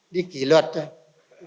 đi kỷ luật thôi